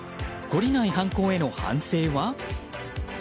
懲りない犯行への反省は？